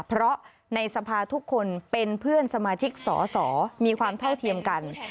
เพราะในสภาทุกคนเป็นเพื่อนสมาชิกสอสอมีความเท่าเทียมกัน